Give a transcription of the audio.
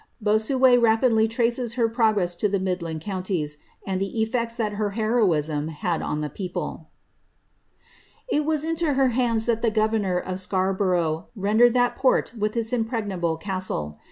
Bossuet rapidly traces her progress to the midland counties, and the effi*ct8 that her heroism had on the people :*^ It wai into her hands that the (governor of Scarborough rendered that port tritli it! imprepiable castle.